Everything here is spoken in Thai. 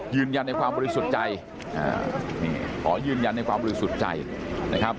ยืนยันในความบริสุทธิ์ใจนี่ขอยืนยันในความบริสุทธิ์ใจนะครับ